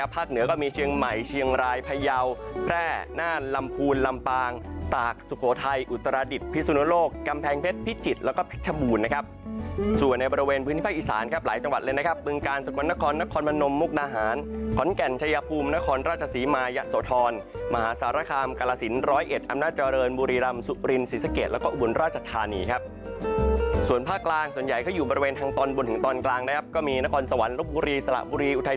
ภาคเหนือก็มีเชียงใหม่เชียงรายพยาวแพร่น่านลำพูนลำปางตากสุโขทัยอุตราดิตพิสุนโลกกำแพงเพชรพิจิตรแล้วก็เพชรบูรณ์นะครับส่วนในบริเวณพื้นที่ภาคอิสานครับหลายจังหวัดเลยนะครับ